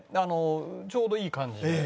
ちょうどいい感じで。